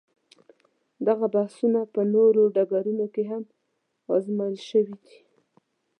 دغه بحثونه په نورو ډګرونو کې هم ازمویل شوي دي.